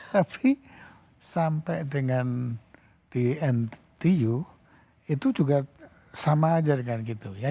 tapi sampai dengan di ntu itu juga sama aja dengan gitu ya